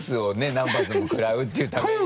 何発も食らうっていうために。